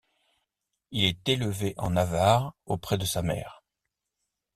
Il est élevé en Navarre, auprès de sa mère.